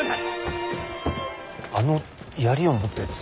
あの槍を持ったやつ。